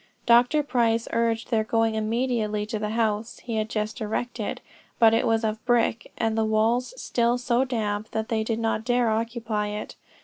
Dr. Price urged their going immediately to the house he had just erected; but it was of brick, and the walls still so damp that they did not dare occupy it.